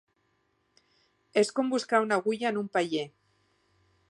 És com buscar una agulla en un paller.